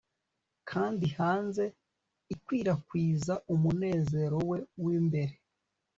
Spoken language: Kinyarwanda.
Kandi hanze ikwirakwiza umunezero we wimbere